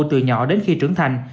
từ nhỏ đến khi trưởng thành